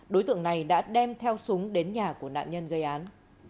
đối tượng này đã đem theo súng đến nhà của nạn nhân gây án